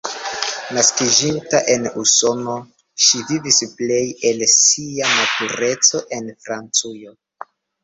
Naskiĝinta en Usono, ŝi vivis plej el sia matureco en Francujo.